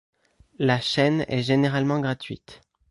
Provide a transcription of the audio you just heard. La chaîne est généralement gratuite.